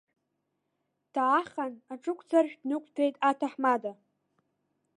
Даахан, аҽықәҵаршә днықәтәеит аҭаҳмада.